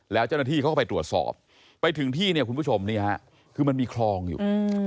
แล้วเจ้าหน้าที่เขาก็ไปตรวจสอบไปถึงที่เนี่ยคุณผู้ชมนี่ฮะคือมันมีคลองอยู่